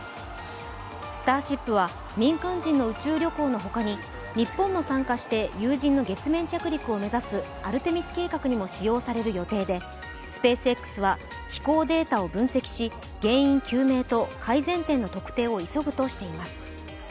「スターシップ」は民間人の宇宙旅行のほかに日本も参加して有人の月面着陸を目指すアルテミス計画にも使用される予定で、スペースＸは飛行データを分析し原因究明と改善点の特定を急ぐとしています。